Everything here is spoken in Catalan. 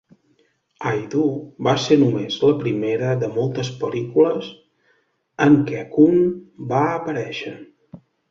"I Do" va ser només la primera de moltes pel·lícules en què Koon va aparèixer.